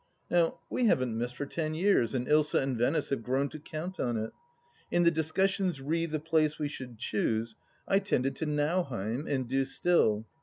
Now, we haven't missed for ten years, and Ilsa and Venice have grown to count on it. In the discussions re the place we should choose, I tended to Nauheim, and do still.